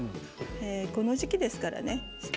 この時期ですからね。